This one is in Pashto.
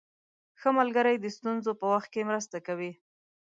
ښه ملګری د ستونزو په وخت کې مرسته کوي.